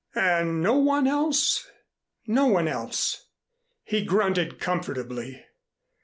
"And no one else?" "No one else." He grunted comfortably.